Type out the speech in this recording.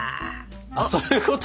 あっそういうこと？